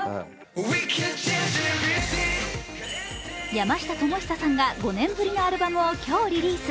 山下智久さんが５年ぶりのアルバムを今日リリース。